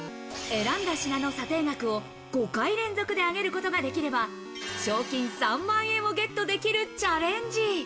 選んだ品の査定額を５回連続で上げることができれば、賞金３万円をゲットできるチャレンジ。